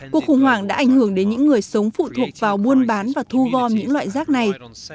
cuộc khủng hoảng đã ảnh hưởng đến những người sống phụ thuộc vào buôn bán và thu gom những loại rác này